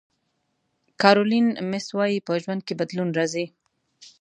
کارولین میس وایي په ژوند کې بدلون راځي.